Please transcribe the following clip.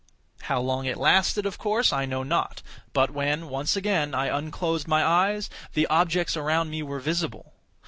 How long it lasted of course, I know not; but when, once again, I unclosed my eyes, the objects around me were visible.